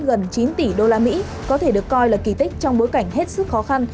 gần chín tỷ usd có thể được coi là kỳ tích trong bối cảnh hết sức khó khăn